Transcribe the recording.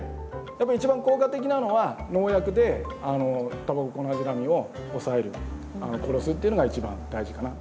やっぱり一番効果的なのは農薬でタバココナジラミを抑える殺すっていうのが一番大事かな。